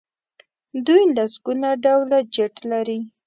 دوی لسګونه ډوله جیټ لري.